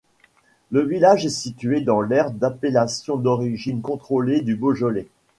Le village est situé dans l'aire d'appellation d'origine contrôlée du Beaujolais.